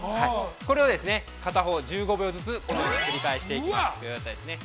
これを片方１５秒ずつこのように、繰り返していきます。